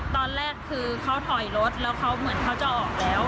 ตอนแรกคือเขาถอยรถแล้วเขาเหมือนเขาจะออกแล้ว